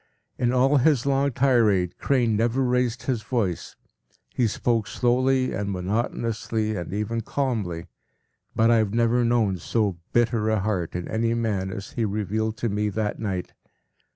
In all his long tirade, Crane never raised his voice; he spoke slowly and monotonously and even calmly, but I have never known so bitter a heart in any man as he revealed to me that night.